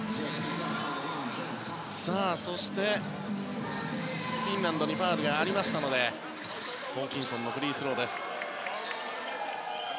そしてフィンランドに対しファウルがありましたのでホーキンソンのフリースローです。